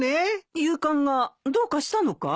夕刊がどうかしたのかい？